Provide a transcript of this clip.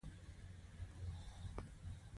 هغه څه چې وینئ په ټولګي کې ووایئ.